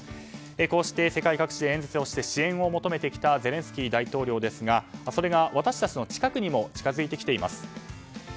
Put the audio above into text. こうして世界各地で演説をして支援を求めてきたゼレンスキー大統領ですがそれが私たちの近くにも近づいてきています。